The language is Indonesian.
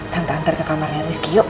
tanpa antar ke kamarnya rizky yuk